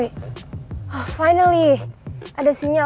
akhirnya ada sinyal